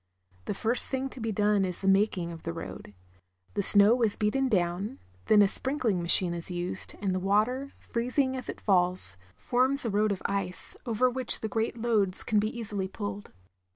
The first thing to be done is the making of the road. The snow is beaten down, then a sprinkling machine is used, and the water, freezing as it falls, forms a road of ice, over which the great loads can be easily pulled.